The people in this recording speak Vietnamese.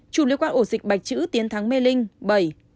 sáu chủng liên quan ổ dịch bạch chữ tiến thắng mê linh bảy